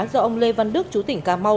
do ông lê văn đức chủ tỉnh cà mau